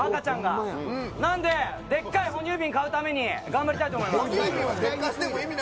なのででっかい哺乳瓶買うために頑張りたいと思います。